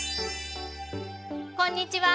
こんにちは。